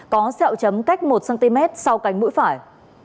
có xeo chấm cách một cm sau cánh mũi phải